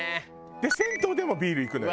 で銭湯でもビールいくのよ。